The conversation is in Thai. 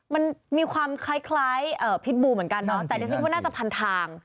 มันมีความคล้ายพิษบูเหมือนกันเนาะแต่ดิฉันว่าน่าจะพันทาง